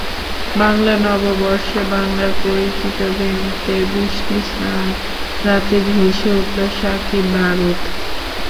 বাংলা নববর্ষে, বাংলার পরিচিত ভেন্যুতে বৃষ্টিস্নাত রাতে ঝলসে উঠল সাকিব বারুদ।